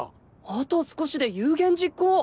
あと少しで有言実行！